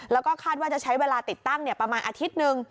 แล้วก็คาดว่าจะใช้เวลาติดตั้งประมาณอาทิตย์หนึ่ง